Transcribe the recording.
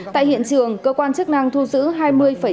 tại hiện trường cơ quan chức năng thu giữ